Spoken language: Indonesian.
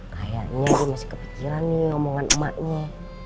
kayaknya gue masih kepikiran nih omongan emaknya